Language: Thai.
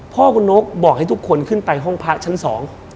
พ่อคุณนกบอกให้ทุกคนขึ้นไปห้องพระชั้นสอง